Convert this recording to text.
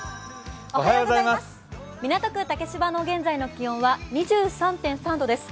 港区竹芝の現在の気温は２３．３度です。